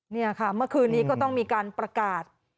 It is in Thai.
นี่ค่ะเมื่อคืนนี้ก็ต้องมีการประกาศ